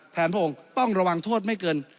พระองค์ต้องระวังโทษไม่เกิน